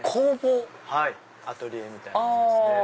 アトリエみたいなものですね。